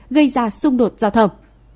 gây ra xung đột giao thông